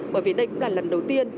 bởi vì đây cũng là lần đầu tiên